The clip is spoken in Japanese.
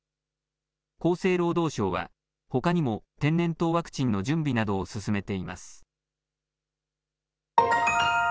厚生労働省は、ほかにも天然痘ワクチンの準備などを進めています。